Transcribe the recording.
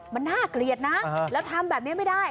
มันน่าเกลียดนะแล้วทำแบบนี้ไม่ได้